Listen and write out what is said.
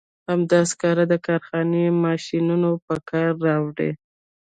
همدا سکاره د کارخونې ماشینونه په کار راولي.